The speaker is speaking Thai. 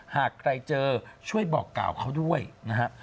หากใครเจอช่วยบอกกล่าวเขาด้วยนะฮะ